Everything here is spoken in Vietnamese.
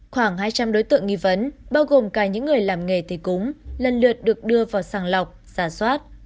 khoảng hai trăm linh đối tượng nghi vấn bao gồm cả những người làm nghề thì cúng lần lượt được đưa vào sàng lọc giả soát